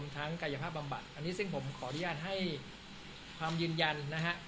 กายภาพบำบัดอันนี้ซึ่งผมขออนุญาตให้ความยืนยันนะฮะ